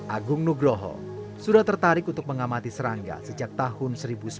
agung nugroho sudah tertarik untuk mengamati serangga sejak tahun seribu sembilan ratus sembilan puluh